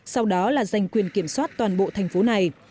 sau đó là giành quyền kiểm soát toàn bộ thành phố này